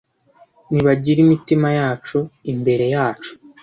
nibagire imitima yacu imbere yacu